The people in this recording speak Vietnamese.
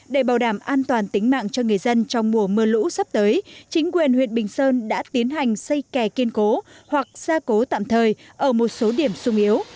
để bảo đảm an toàn tính mạng cho người dân trong mùa mưa lũ sắp tới chính quyền huyện bình sơn đã tiến hành xây kè kiên cố hoặc ra cố tạm thời ở một số điểm sung yếu